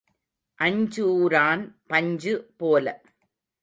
அஞ்சூரான் பஞ்சு போல.